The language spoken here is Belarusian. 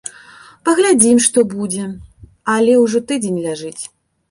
Паглядзім, што будзе, але ўжо тыдзень ляжыць.